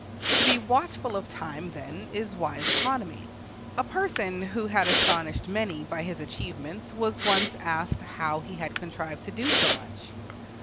To be watchful of time, then, is wise economy. A person who had astonished many by his achievements was once asked how he had contrived to do so much.